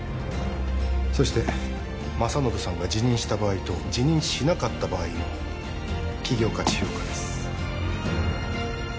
そして政信さんが辞任した場合と辞任しなかった場合の企業価値評価です